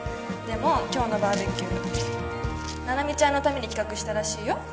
でも今日のバーベキュー七海ちゃんのために企画したらしいよ。